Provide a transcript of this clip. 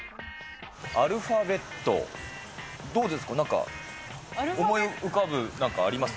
アルファベット、どうですか、なんか、思い浮かぶ、なんかあります？